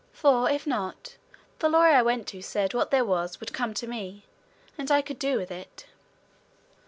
"For, if not, the lawyer I went to said what there was would come to me and I could do with it."